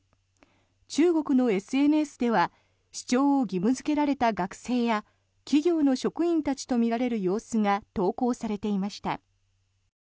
中国のＳＮＳでは視聴を義務付けられた学生や企業の職員たちとみられる様子が投稿されていました。